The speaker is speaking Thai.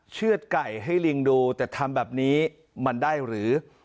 เชื่อดไก่ให้ลิงดูแต่ทำแบบนี้มันได้หรือ